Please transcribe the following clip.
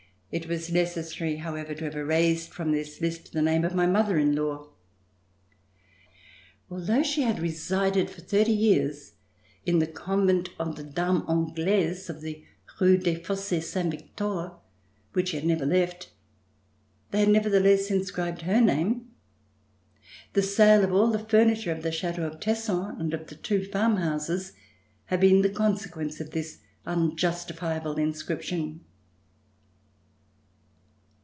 It was necessary, however, to have erased from this Hst the name of my mother in law. Although she had resided for thirty years in the Convent of the Dames An giaises, of the Rue des Fosses Saint Victor, which she had never left, they had, nevertheless, inscribed her name. The sale of all the furniture of the Chateau of Tesson and of two farm houses had been the consequence of this unjustifiable inscription.